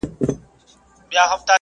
په پردي څټ کي سل سوکه څه دي `